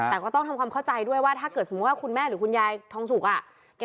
แต่ก็ต้องทำความเข้าใจด้วยว่าถ้าเกิดสมมุติว่าคุณแม่หรือคุณยายทองสุกอ่ะ